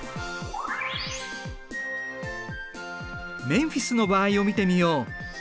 メンフィスの場合を見てみよう。